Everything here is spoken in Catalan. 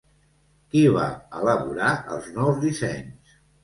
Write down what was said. Qui va elaborar els nous dissenys?